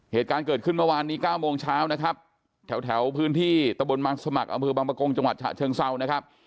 เหตุการณ์เกิดขึ้นเมื่อวานนี้๙โมงเช้านะครับแถวพื้นที่ตะบนบางสมัครอำเภอบางประกงจังหวัดฉะเชิงเซานะครับ